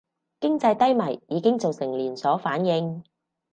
經濟低迷已經造成連鎖反應